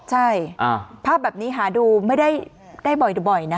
ใช่ภาพแบบนี้หาดูไม่ได้บ่อยนะ